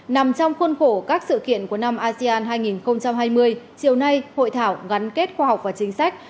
nằm trong khuôn khổ các sự kiện của năm asean hai nghìn hai mươi chiều nay hội thảo gắn kết khoa học và chính sách